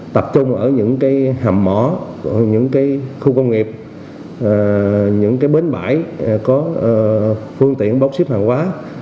tập trung ở những hầm mỏ khu công nghiệp bến bãi có phương tiện bốc xếp hàng hóa